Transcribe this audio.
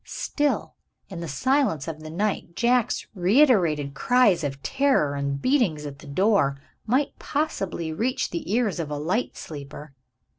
Still, in the silence of the night, Jack's reiterated cries of terror and beatings at the door might possibly reach the ears of a light sleeper.